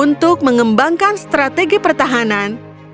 untuk mengembangkan strategi pertahanan